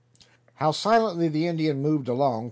How silently the Indian moved along.